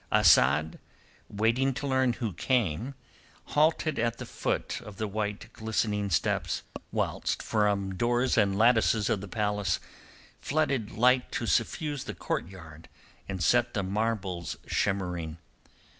Asad, waiting to learn who came, halted at the foot of the white glistening steps, whilst from doors and lattices of the palace flooded light to suffuse the courtyard and set the marbles shimmering.